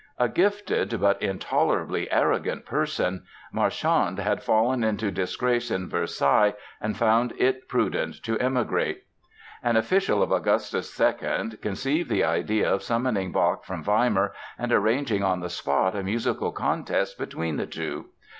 A gifted but intolerably arrogant person, Marchand had fallen into disgrace in Versailles and found it prudent to emigrate. An official of Augustus II conceived the idea of summoning Bach from Weimar and arranging on the spot a musical contest between the two.